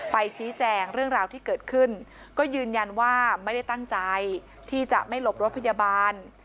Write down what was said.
ชี้แจงเรื่องราวที่เกิดขึ้นก็ยืนยันว่าไม่ได้ตั้งใจที่จะไม่หลบรถพยาบาล